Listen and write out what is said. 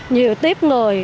nhiều tiếp người